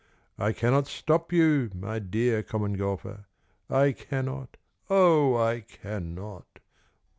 I cannot stop you, my dear Common Golfer, I cannot, O I cannot!